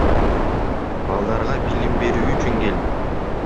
Балдарга билим берүү үчүн келдик.